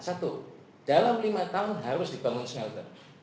satu dalam lima tahun harus dibangun smelter